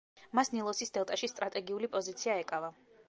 მას ნილოსის დელტაში სტრატეგიული პოზიცია ეკავა.